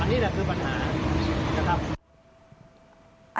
อันนี้แหละคือปัญหา